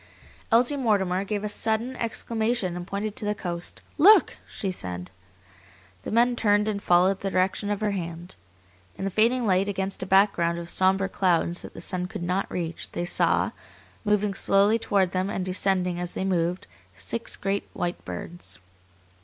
Elsie Mortimer gave a sudden exclamation, and pointed to the east. "Look!" she said. The men turned and followed the direction of her hand. In the fading light, against a background of sombre clouds that the sun could not reach, they saw, moving slowly toward them and descending as they moved, six great white birds.